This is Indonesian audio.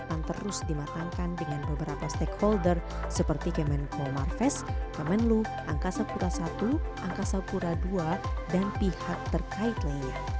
dan ini akan terus dimatangkan dengan beberapa stakeholder seperti kemen komar fest kemenlu angkasa pura i angkasa pura ii dan pihak terkait lainnya